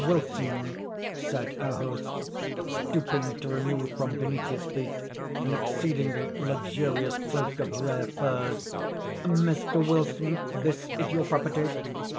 Wilson," said our host, stooping to remove from beneath his feet an exceedingly luxurious cloak of rare furs, "Mr. Wilson, this is your property."